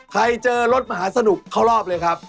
เจอรถมหาสนุกเข้ารอบเลยครับ